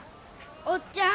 「おっちゃん。